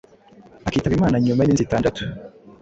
akitaba Imana nyuma y’iminsi itandatu